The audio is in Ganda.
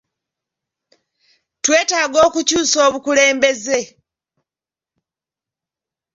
Twetaaga okukyusa obukulembeze.